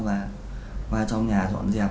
và vào trong nhà dọn dẹp